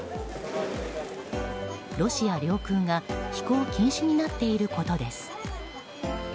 ロシア領空が飛行禁止になっていることです。